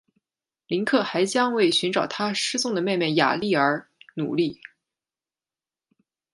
林克还将为寻找他失踪的妹妹雅丽儿而努力。